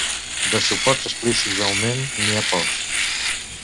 De suports explícits, de moment, n’hi ha pocs.